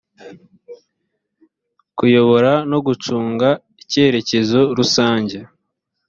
kuyobora no gucunga icyerekezo rusange